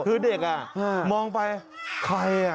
คือเด็กมองไปใคร